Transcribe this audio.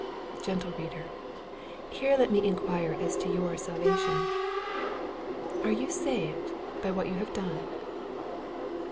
Gentle reader, here let me inquire as to your sal vation. Are you saved by what you have done